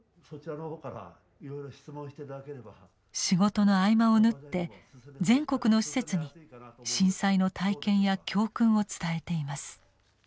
仕事の合間を縫って全国の施設に震災の体験や教訓を伝えています。